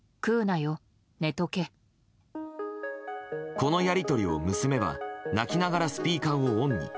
このやり取りを娘は、泣きながらスピーカーをオンに。